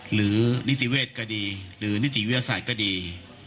หรือนิติเวชก็ดีหรือนิติวิทยาศาสตร์ก็ดี